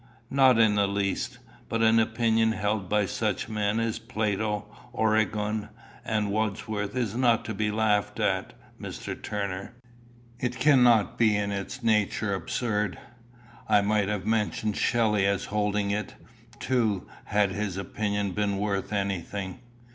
"Not in the least. But an opinion held by such men as Plato, Origen, and Wordsworth, is not to be laughed at, Mr. Turner. It cannot be in its nature absurd. I might have mentioned Shelley as holding it, too, had his opinion been worth anything."